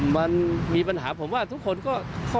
มันมีปัญหาผมว่าทุกคนก็